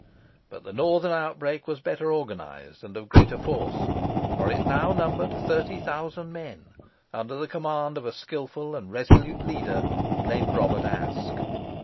But the northern outbreak was better organized, and of greater force, for it now numbered thirty thousand men, under the command of a skilful and resolute leader named Robert Aske.